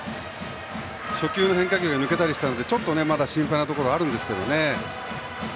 初球の変化球が抜けたのでちょっとまだ心配なところがあるんですけどね。